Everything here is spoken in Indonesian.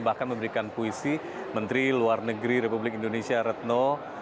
bahkan memberikan puisi menteri luar negeri republik indonesia retno